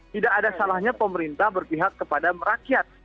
tidak ada salahnya pemerintah berpihak kepada rakyat